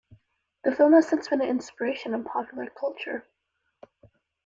The film has since been an inspiration in popular culture.